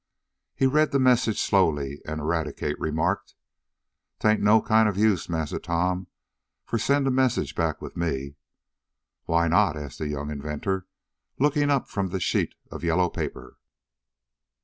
He read the message slowly, and Eradicate remarked: "'Taint no kind ob use, Massa Tom, fo' t' send a message back wif me." "Why not?" asked the young inventor, looking up from the sheet of yellow paper.